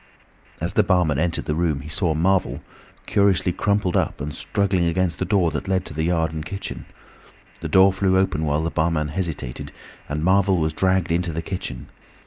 As the barman entered the room he saw Marvel, curiously crumpled up and struggling against the door that led to the yard and kitchen. The door flew open while the barman hesitated, and Marvel was dragged into the kitchen.